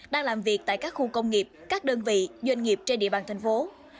đang làm việc tại các khu công nghiệp các đơn vị doanh nghiệp trên địa bàn thành phố